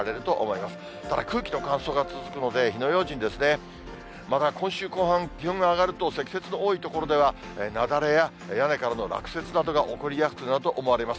また今週後半、気温が上がると、積雪の多い所では、雪崩や屋根からの落雪などが起こりやすくなると思われます。